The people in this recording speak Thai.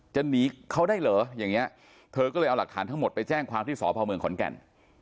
จะหนีเขาได้เหรออย่างนี้เธอก็เลยเอาหลักฐานทั้งหมดไปแจ้งความที่สพเมืองขอนแก่น